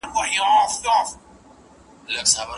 هغوی د نورو خبرو ته غوږ نیولی دی.